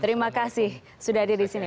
terima kasih sudah disini